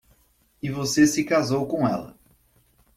E você se casou com ela.